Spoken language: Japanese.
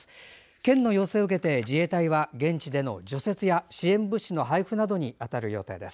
県の要請を受けて自衛隊は除雪や支援物資の配布に当たる予定です。